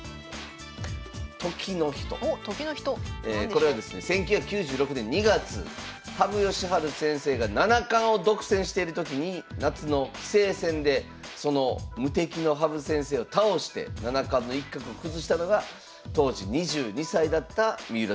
これはですね１９９６年２月羽生善治先生が七冠を独占してる時に夏の棋聖戦でその無敵の羽生先生を倒して七冠の一角を崩したのが当時２２歳だった三浦先生でございます。